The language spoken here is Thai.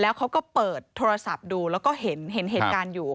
เขาก็เปิดโทรศัพท์ดูแล้วก็เห็นเหตุการณ์อยู่